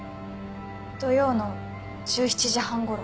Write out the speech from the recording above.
土曜の１７時半頃。